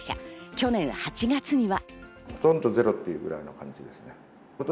去年８月には。